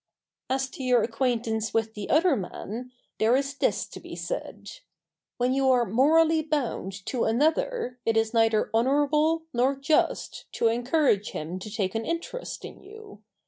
As to your acquaintance with the other man, there is this to be said: When you are morally bound to another it is neither honorable nor just to encourage him to take an interest in you.